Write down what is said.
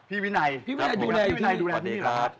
พี่วินัยดูแลที่นี่หรอครับ